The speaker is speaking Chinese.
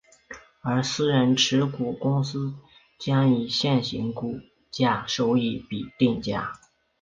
而私人持股公司将以现行股价收益比定价。